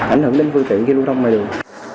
ảnh hưởng đến phương tiện khi lưu đông mọi đường